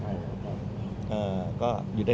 หมอบรรยาหมอบรรยาหมอบรรยา